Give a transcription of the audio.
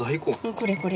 これこれ。